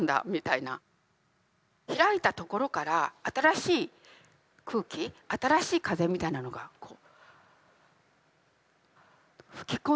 開いたところから新しい空気新しい風みたいなのがこう吹き込んできたような気がして。